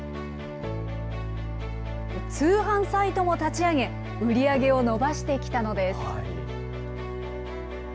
通販サイトも立ち上げ、売り上げを伸ばしてきたのです。